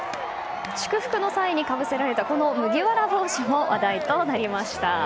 祝福の際にかぶせられた麦わら帽子も話題になりました。